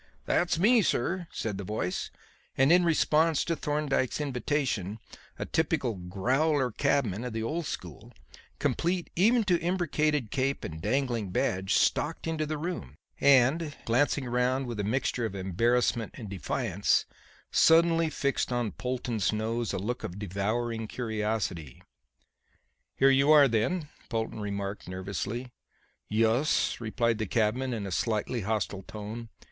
"That's me, sir," said the voice; and in response to Thorndyke's invitation, a typical "growler" cabman of the old school, complete even to imbricated cape and dangling badge, stalked into the room, and glancing round with a mixture of embarrassment and defiance, suddenly fixed on Polton's nose a look of devouring curiosity. "Here you are, then," Polton remarked nervously. "Yus," replied the cabman in a slightly hostile tone.